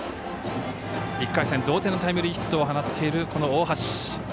１回戦、同点のタイムリーヒットを放っているこの大橋。